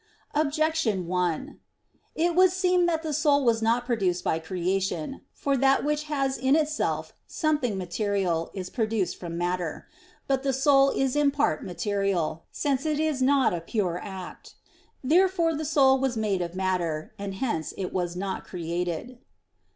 Objection 1: It would seem that the soul was not produced by creation. For that which has in itself something material is produced from matter. But the soul is in part material, since it is not a pure act. Therefore the soul was made of matter; and hence it was not created.